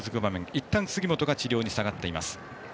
いったん杉本が治療に下がります。